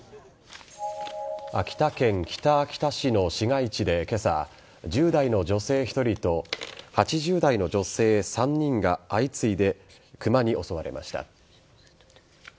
秋田県北秋田市の市街地で今朝１０代の女性１人と８０代の女性３人が相次いでクマに襲われました。